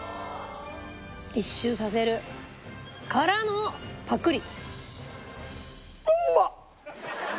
一周させる。からのパクリ。